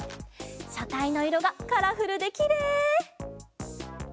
しゃたいのいろがカラフルできれい！